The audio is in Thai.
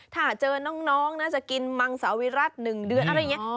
ถ้าเจอน้องน่าจะกินมังสาวิรัติ๑เดือนอะไรอย่างนี้